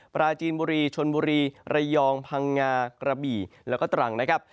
ปราจีนบุรีชนบุรีระยองพังงากระบี่แล้วก็ตรังนะครับ